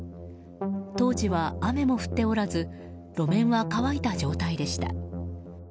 当時は雨も降っておらず路面は乾いた状態でした。